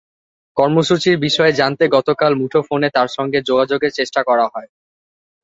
কর্মসূচির বিষয়ে জানতে গতকাল মুঠোফোনে তাঁর সঙ্গে যোগাযোগের চেষ্টা করা হয়।